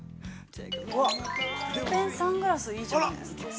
◆わっ、アルペンサングラスいいじゃないですか。